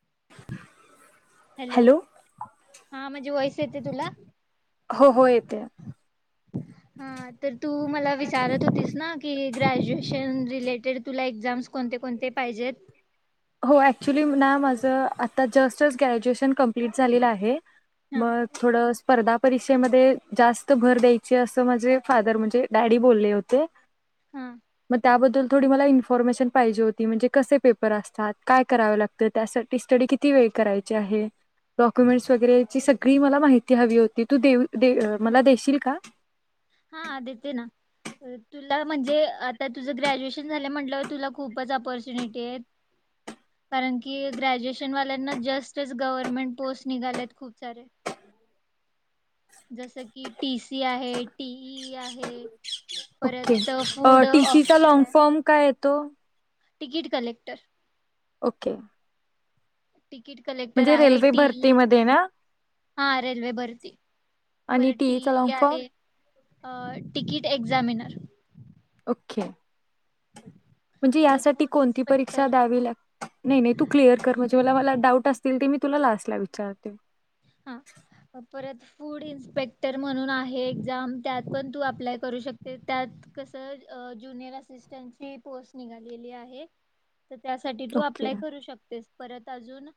[inaudible] Hello हा माझी voice येते तुला हो हो येतंय आ हा तर तू मला विचारत होतीस ना कि ग्रॅज्युएशन रिलेटेड तुला एक्झाम्स कोणते कोणते पाहिजेत? हो ऍक्च्युली ना माझ त आता जस्टच ग्रॅज्युएशन कंप्लीट झालेलं आहे. हा मग थोडं स्पर्धा परीक्षेमध्ये जास्त भर द्यायची असं माझे फादर म्हणजे डॅडी बोलले होते. हा म त्याबद्दल थोडी मला इन्फॉर्मेशन पाहिजे होती म्हणजे कसे पेपर अस त्यात काय कराव लागते त्यासाठी स्टडी किती वेळ करायचं आहे, डॉक्युमेंट्स वगैरेची सगळी मला माहिती हवी होती तू देऊ दे अ मला देशील का? हा देते ना अ तुल तुला म्हणजे आता तुझं ग्रॅज्युएशन झाले म्हटलंवर तुला खूपच ऑपॉर्च्युनिटी आहेत, कारण की ग्रॅज्युएशन वाल्यांना जस्टच गव्हर्मेंट पोस्ट निघालेत खूप सारे. जसं की टीसी आहे टी इ इ आहे ओके परत अ फूड टीसीचा लाँग फॉर्म काय तो ticket collector okay ticket collector म्हणजे आहे. रेल्वे टीई भरतीमध्ये ना हा रेल्वे भरती आणि परत टी ईचा लॉंग टीई फॉर्म आहे. अ टिकीट एक्झामीनर खे म्हणजे परत यासाठी फूड कोणती परीक्षा इन्स्पेक्टर द्यावी लाग नाही नाही तू क्लिअर कर म्हणजे मला मला डाऊट असतील ते मी तुला लास्टला विचारते. ह परत फूड इन्पेक्टर म्हणून आहे. एक्झाम त्यात पण तू अप्लाय करू शकते. त्यात कस जूनियर असिस्टंट ची पोस्ट निघालेली आहे. त त्यासाठी तू ओके. अप्लाय करू शकतेस. परत अजून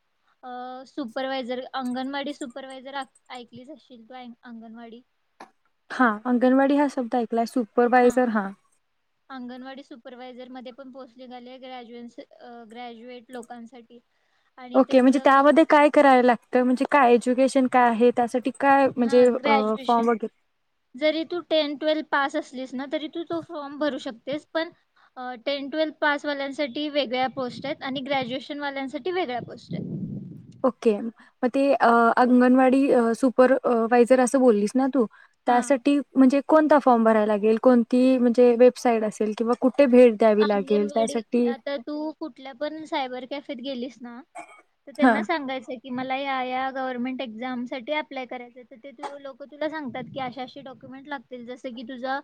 अ सुपरवायझर अंगणवाडी सुपरवायझर ऐकलीच असशील तू आय अंगणवाडीत हा अंगणवाडी हा शब्द ऐक आपला सुपरवायझर हा अंगणवाडी सुपरवायझर मध्ये पण पोस्ट निघालीये ग्रॅ्ज्यूएन्स ग्रॅज्युएट लोकांसाठी. आणि ओके म्हणजे त्यांचं त्यामध्ये काय कराय लागतं म्हणजे काय एज्युकेशन काय आहे त्यासाठी काय म्हणजे हा अ फॉर्म ग्रॅज्युएशन वगैरे जरी तू टेन ट्वेल् पास असलीस ना तरी तू तो फॉर्म भरू शकतेस पण टेन-टुवेल् पास वाल्यांसाठी वेगळ्या पोस्ट आहेत आणि ग्रॅज्युएशन वाल्यांसाठी वेगळ्या पोस्ट आहेत. ओके म ते अ अंगणवाडी अ सुपर अ वायझर असं बोललीस ना तू हां. त्यासाठी म्हणजे कोणता फॉर्म भरायला लागेल कोणती म्हणजे वेबसाईट असेल किंवा कुठे भेट द्यावी लागेल अंगणवाडी त्यासाठी? आता तू कुठल्या पण सायबर कॅफेत गेलीस ना अ त हां, त्यांना सांगायच की मला या गव्हर्मेंट एक्झामसाठी अप्लाय करायचा आहे तर ते लोक तुला सांगतात की असे असे डॉक्युमेंट लागतील जसे की तुझं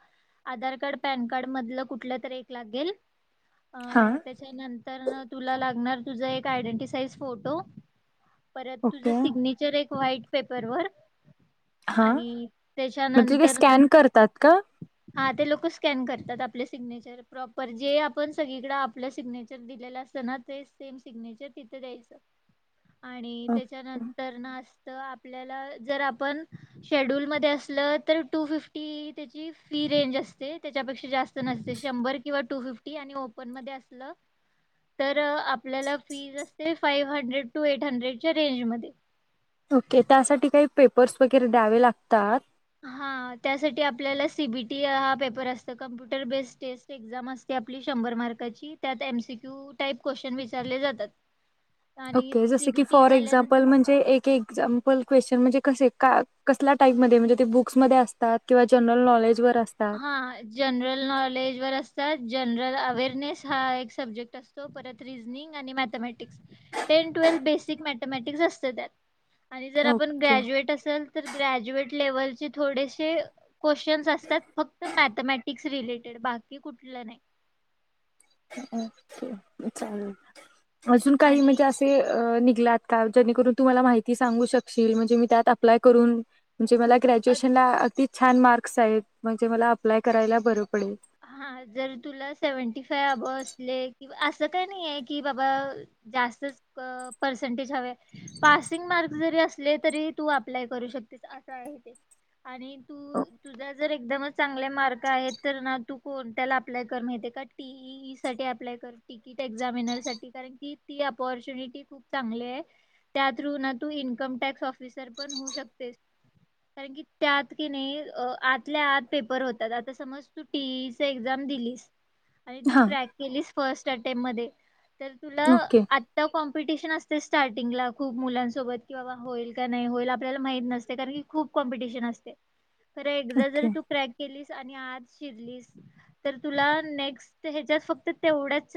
आधारकार्ड पॅनकार्ड मधल कुठलं तरी लागेल अ हां. त्याच्यानंतरन तुला लागणार तुझा एक आयडेंटीसाइज फोटो परत तुझं ओके. सिग्नेचर एक व्हाईट पेपर वर हा म्हटल काही न स्कॅन करतात का हा ते लोक स्कॅन करतात आपले सिग्नेचर प्रॉपर जे आपण सगळीकडे आपलं सिग्नेचर दिलेलं असतं ना ते सेम सिग्नेचर तिथे द्यायचं आणि त्याच्यानंतर नास तर आपल्याला जर आपण शेड्यूलमध्ये असल तर टू फिफ्टी त्याची फी रेंज असते त्याच्यापेक्षा जास्त नसते शंभर किंवा टू फिफ्टी आणि ओपन मध्ये असलं तर आपल्याला फीज असते फाईव हंड्रेड टू एट हंड्रेडच्या रेंज मध्ये ओके त्यासाठी काही पेपर्स वगैरे द्यावे लागतात हा त्यासाठी आपल्याला सीबीटीए हा पेपर असत कंम्प्युटर बेस टेस्ट एक्झाम असते आपली शंभर मार्काची त्यात एमसीक्यू टाईप क्वेशन विचारले जातात आणि ओके जस की सीबीटी फॉर झाल्यानंतर एक्झाम्पल म्हणजे एक एक्झाम्पल क्वेशन म्हणजे कसे का कसल्या टाईपमध्ये म्हणजे ते बुक्समध्ये असतात किंवा जनरल नॉलेज हा जनरल नॉलेज वर अस तर जनरल अवेअरनेस हा एक सब्जेक्ट असतो परत रीजनिंग आणि mathematics ten twelfth basic mathematics असतं त्यात आणि जर आपण ओके ग्रॅज्युएट असल तर ग्रॅज्युएट लेवलचे थोडेशे क्वेश्चनस असतात मॅथेमॅटिक्स रिलेटेड बाकी कुठल नाही [unintelligible] अजून काही आणि म्हणजे असे आता जेणेकरून तू मला माहिती सांगू शकशील म्हणजे मी त्यात अप्लाय करून म्हणजे मला अ, ग्रॅज्युएशनला अगदी छान मार्क्स आहेत म्हणजे मला अप्लाय करायला बरं पडेल हा जर तुला सेव्हन्टी फाइव्ह अबो असले किंवा असं काही नाही की बाबा जास्तच पर्सेंटेज हवे पासिंग मार्क जरी असले तरी तू अप्लाय करू शकतेस असं आहे ते आणि तू तुझा जर एकदम चांगले मार्क आहेत तर ना तू कोणत्याला अप्लाय कर माहिती का टीईई अप्लाय कर तिकीट एक्झामिनर साठी कारण ती अपॉर्च्युनिटी खूप चांगली आहे त्या थ्रू ना तू इन्कम टॅक्स ऑफिसर पण होऊ शकतेस कारण की त्यात की नाही आतल्या आत पेपर होतात आता समज तू टीईईच एक्झाम दिलीस आणि तू हां क्रॅक केलीस फर्स्ट अटेम्प्ट मध्ये तर तुला ओके आत्ता कॉम्प कॉम्पिटिशन असतय, स्टार्टिंग ला खूप मुलांसोबत की बाबा होईल की नाही होईल, आपल्याला माहित नसते कारण की खूप कॉम्पिटिशन असते. तर एकदा जरी ओके तू क्रॅक केलीस आणि आज शिरलीस तर, तुला नेक्स्ट हेच्यात फक्त तेवढ्याच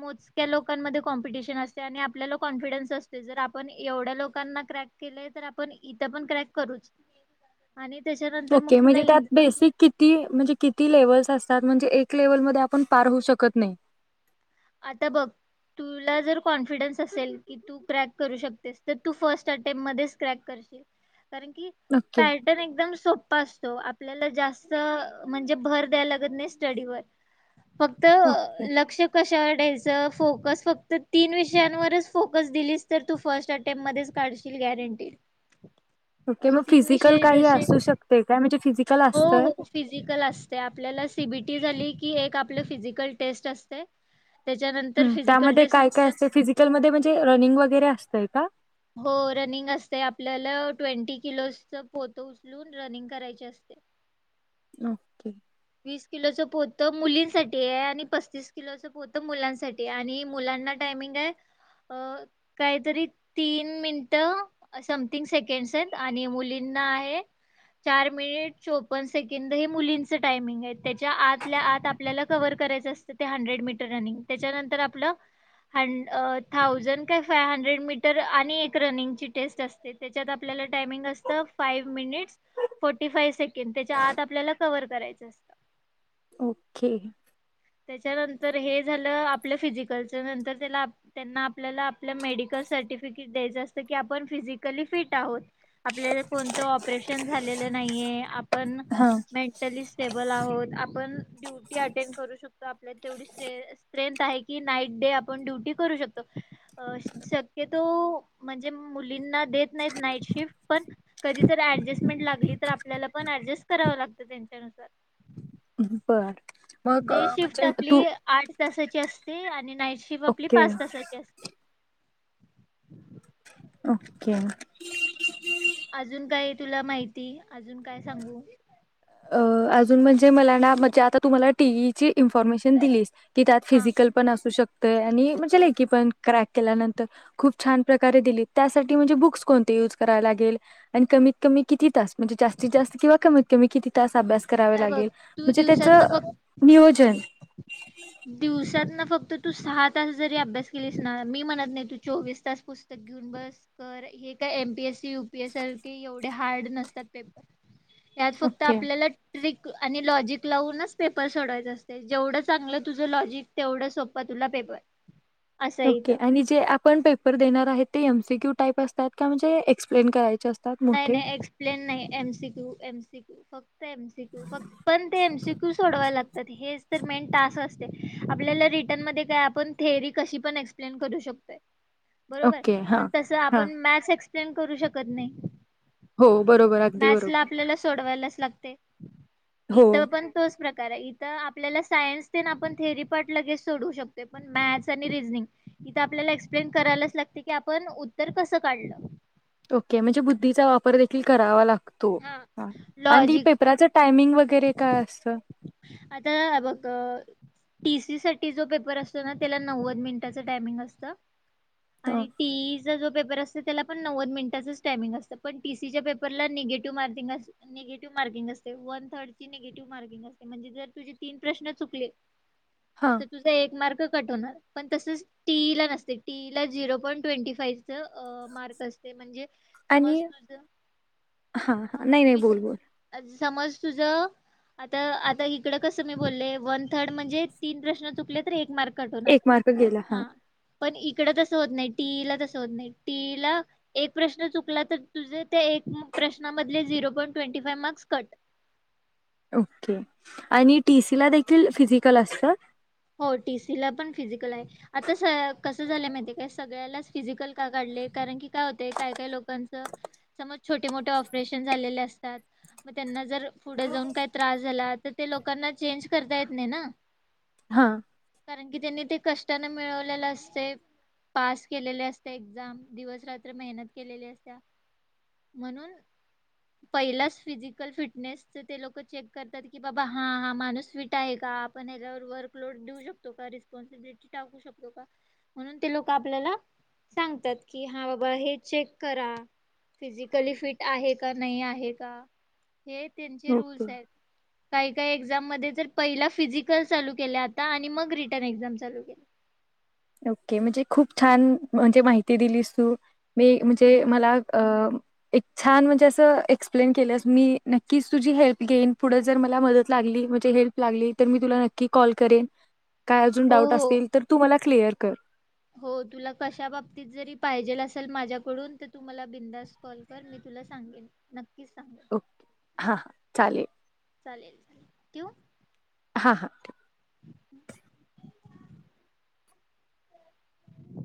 मोजक्या लोकांमध्ये कॉम्पिटिशन असते, आणि आपल्याला कॉन्फिडन्स असतोय जर आपण एवढ्या लोकांना क्रॅक केलय तर इथे पण क्रॅक करूच. आणि त्याच्यानंतर मग ओके तुला म्हणजे, त्यात इन्कम बेसिक किती म्हणजें कि ती लेव्हलस असतात, म्हणजे एक लेव्हल मध्ये आपण पार होऊ शकत नाही. आता बघ, तुला जर कॉन्फिडन्स असेल की तू क्रॅक करू शकतेस तर तू फर्स्ट अटेम्पट मध्येच क्रॅक करशील. कारण, की ओके, टायटल एकदम सोप्पा असतो आपल्याला जास्त अ म्हणजे भर द्यायला लागत नाही स्टडीवर. फक्त अ ओके, लक्ष चढायचं फोकस फक्त तीन विषयानवरच फोकस दिलीस तर तू फर्स्ट अटेमं मध्येच काढशील गॅरंटी ये मग फिजिकल काही असू शकते का म्हणजे फिजिक हो हो फिजिकल असतंय, आपल्याला सीबी टी झाली, की एक आपल फिजिकल टेस्ट असतय. हुं त्यामध्ये काय काय असतय फिजिकल मध्ये म्हणजे रनिंग वगैरे असतय का. हो रनिंग असतय, आपल्याला ट्वेंटी किलोजच पोत उचलून रनिंग करायची असते. ओ के! वीस किलोच पोतं मुलींसाठी आहे आणि पस्तीस किलोच पोतं मुलांसाठी आणि मुलांना टाइमिंग आहे अ कायतरी तीन मिनटं समथिंग सेकंड्स आहेत आणि मुलींना आहे चार मिनिट चौपन्न सेकंद हे मुली च टायमिंग आहे तेच्या आतल्या आत आपल्याला कव्हर करायचं असतं ते हंड्रेड मीटर रनिंग. तेच्या नंतर आपलं हंड थाउजंड का फाइव्ह हंड्रेड मीटर आणि एक रनिंग ची टेस्ट असते त्याच्यात आपल्याला टाइमिंग असतं, five minutes forty five second तेच्या आत आपल्याला कव्हर करायचं असतं. ओके! त्याच्यानंतर हे झालं आपलं फिजिकलच, नंतर त्याला आप त्यांना आपलेल्याला मेडिकल सर्टिफिकेट द्यायचं असतं की आपण फिजिकली फिट आहोत, आपलेल कोणतं ऑपरेशन झालेलं नाहीये आप पण न हां. मेंटलीस स्टेबल आहोत, आपण ड्युटी अटेंड करू शक तो आपल्यात तेवढी स्ट्रेंथ आहे की नाईट डे आपण ड्युटी करू शकतो शक्यतो म्हणजे मुलींना देत नाहीत नाईट शिफ्ट पण कधी तर ॲडजस्टमेंट लागली तर करावं लागतं ऍडजेस्ट आपल्याला पण त्यांच्या नुसार. बर! डे शिफ्ट, आपली आठ. तासाची असती आ नी नाईट शिफ्ट, आपली ओके, पाच तासाची असते. ओके अजून काय, तुला माहिती अजून काय सांगू अ अजून म्हणजे, मला ना म्हणजे आता तू मला टीईई ची इन्फॉर्मेशन दिलीस की त्यात पण हा फिजिकल असू शक त आणि म्हणजे, हो. लयकी पण क्रॅक केल्यानंतर, खूप छान प्रकारे दिली त्यासाठी म्हणजे बुक्स कोणती युज करायला लागेल, आणि कमीत कमी किती तास म्हणजे, जास्तीत जास्त किंवा कमीत तुम्ही किती? [inaudible] हे बघ तू म्हणजे त्याचं दिवसातन फक्त, नियोजन दिवसातून फक्त फक्त तू सहा तास जरी अभ्यास केलीस ना मी म्हणत नाही तु चोवीस तास पुस्तक घेऊन बस, कर. हे काय M P S C, U P S C एवढे हार्ड नसतात पेपर. की आज फक्त ओके आपल्यालाच आणि लॉजिक लावूनच पेपर सोडवायचे असतय जेवढं चांगलं तुझं लॉजिक तेवढा सोपा पेपर. असं येत ओके आणि जे आपण पेपर देणार आहे ते एम सी क्यू टाईप असतात का म्हणजे एक्सप्लेन कराय नाई-नाई एक्सप्लेन नाही आहे. N C Q, M C Q, फक्त एम सी क्यू फक्त पण ते एम सी क्यू सोडवावे लागतात. मेन टास असते. आपल्याला रिटर्न मध्ये काय आपण थेरी कशी पण एक्सप्लेन करू शकतोय. बरोबर ओके हां पण तस हां आपण मॅसेंच सेम करू शकत नाही. हो बरोबर अगदी मॅथ्सला बरोबर आपल्याला सोडवायलाच लागते हो इथं पण तूस प्रकार ये इथे आपल्याला सायन्सला तेण आपण थेरी पार्ट लगेच सोडवू शकतोये पण मॅथ्स आणि रिजनींग इथं आपल्याला एक्सपेन करायलाच लागतील की आपण उत्तर कस काढलं. ओके म्हणजे बुद्धीचा वापर देखील करावा ला तू हा आ आणि लॉजिक पेपराचा टाइमिंग वगैरे काय असतं आता हा बघ टीसी साठी जो पेपर असतो ना त्याला नव्वद मिनिटाच टायमिंग असत. हं, आणि टीईचा जो पेपर असते तेला पण णव्वद मिनटाचच टायमिंग असत पण टीसी च्या पेपरला निगेटिव्ह मार्किंग असं. निगेटिव्ह मार्किंग असतय. वन थर्डची निगेटिव्ह मार्किंग अस म्हणजे जर तुझे तीन प्रश्न चुकले हां ते तुझा एक मार्क कट होणार पण तसच टी ई ला नसतय. टी ई ला झिरो पॉईंट ट्वेंटी फाईच मार्क असते म्हणजे समज आणि तुझच हां, हां. हा नाही, नाही. मी बोल, बोल. जर समज तुझ आता आ इकडं कसं मी बोलले वन थर्ड म्हणजे तीन प्रश्न चुकले तर एक मार्क कट होणार मार्क गेला. हां, हा पण इकडे तसं होत नाही. टीईला तस होत नाही. टीईला एक प्रश्न चुकला तर तुझे ते एक प्रश्ना मधले zero point twenty five marks cut. Okay आणि टीसी ला देखील फिजिकल असतं. हो कस झालय माहितीये काय सगळ्याच फिजिकल का काढले कारण की का होते काय काय लोकांच समज छोटे मोठे ऑपरेशन झालेले असतात म त्यांना जर पुढे जाऊन काय त्रास झालात. तर ते लोकांना चेंज करता येत नाही ना. हा कारण की त्यांनी ते कष्टान मिळवलेले असतय. पास केलेली असत्या एक्झाम दिवसरात्र मेहनत केलेली असत्या. म्हनून पहिलाच फिजिकल फिटनेस च ते लोक चेक करतात की बाबा हां हा माणूस फिट आहे का आपण ह्याच्यावर वर्क लोड देऊ शकतो का रिस्पॉन्सिबिलिटी टाकू शकतो का म्हणून ते लोक आपल्याला सांगतात कि हां बाबा हे चेक करा फिजिकली फिट आहे का नाही आहे का. ते त्यांचे रूल्स ओके. आहेत काही काही मध्ये जर पहिला फिजिकल चालू केलय आता आणि मग रिटर्न एक्झाम चालू केले. ओके म्हणजे खूप छान म्हणजे माहिती दिलीस तू. मी म्हणजे हा मला अ एक छान म्हंजे अस एक्सप्लेन केलस. मी नक्कीच तुझी हेल्प घेइन पुढे जर मला मदत लागली म्हणजे हेल्प लागली तर मी तुला नक्की कॉल करेन. काय अजून हो डाऊट हो असतील तर तु मला क्लिअर कर. हो तुला कशा बाबतीत जरी पाहिजेल असेल माझ्याकडून तर तू मला बिन्धास्त कॉल कर मी तुला सांगेन नक ओके हां हां चालेल. चालेल चालेल ठ्यु? हां हां ठेव. [inaudible]